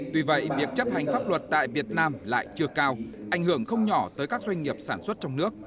tuy vậy việc chấp hành pháp luật tại việt nam lại chưa cao ảnh hưởng không nhỏ tới các doanh nghiệp sản xuất trong nước